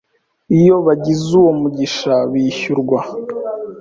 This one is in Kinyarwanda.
iyo bagize uwo mugisha bishyurwa